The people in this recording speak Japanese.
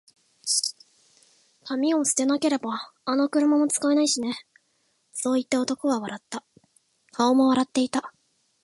「紙を捨てなけれれば、あの車も使えないしね」そう言って、男は笑った。顔も笑っていた。